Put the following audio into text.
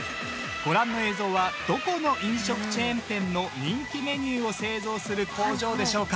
ご覧の映像はどこの飲食チェーン店の人気メニューを製造する工場でしょうか？